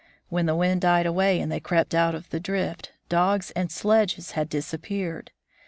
When the wind died away and they crept out of the drift, dogs and sledges had disappeared.